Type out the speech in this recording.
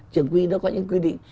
trường quy nó có những quy định